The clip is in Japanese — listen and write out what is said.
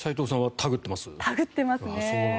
タグってますね。